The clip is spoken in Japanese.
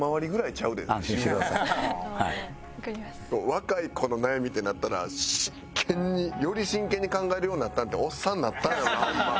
若い子の悩みってなったら真剣により真剣に考えるようになったんっておっさんになったんやろなホンマ。